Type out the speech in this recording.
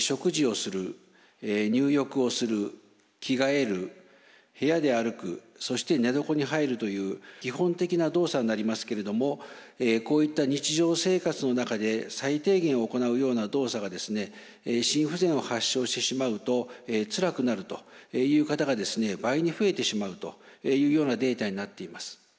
食事をする入浴をする着替える部屋で歩くそして寝床に入るという基本的な動作になりますけれどもこういった日常生活の中で最低限行うような動作が心不全を発症してしまうとつらくなるという方が倍に増えてしまうというようなデータになっています。